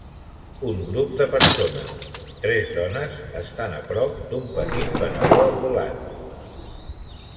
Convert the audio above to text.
Un grup de persones, tres dones estan a prop d'un petit venedor ambulants.